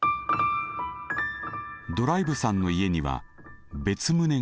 ドライブさんの家には別棟があります。